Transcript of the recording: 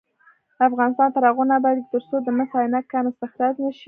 افغانستان تر هغو نه ابادیږي، ترڅو د مس عینک کان استخراج نشي.